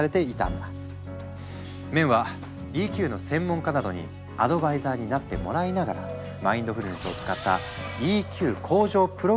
メンは「ＥＱ」の専門家などにアドバイザーになってもらいながらマインドフルネスを使ったＥＱ向上プログラムを開発。